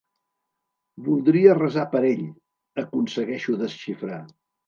Voldria resar per ell —aconsegueixo desxifrar.